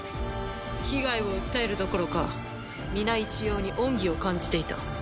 被害を訴えるどころか皆一様に恩義を感じていた。